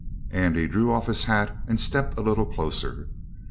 Andy drew off his hat and stepped a little closer.